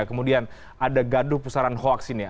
kemudian ada gaduh pusaran hoax ini